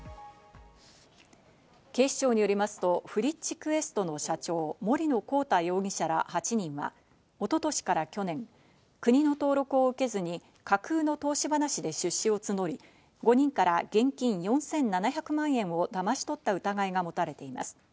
警視庁によりますと、ＦＲｉｃｈＱｕｅｓｔの社長・森野広太容疑者ら８人は一昨年から去年、国の登録を受けずに架空の投資話で出資を募り、５人から現金４７００万円をだまし取った疑いが持たれています。